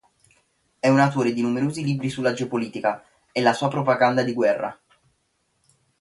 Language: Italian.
È autore di numerosi libri sulla geopolitica e la propaganda di guerra.